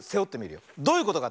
どういうことかって？